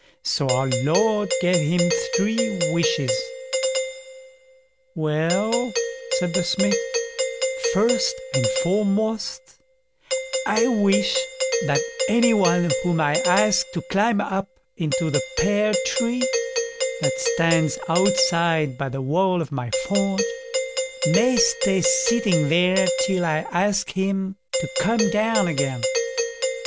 So our Lord gave him three wishes. "Well", said the Smith, "first and foremost, I wish that any one whom I ask to climb up into the pear tree that stands outside by the wall of my forge, may stay sitting there till I ask him to come down again.